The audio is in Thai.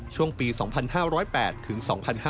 ช่วงปี๒๕๐๘ถึง๒๕๕๙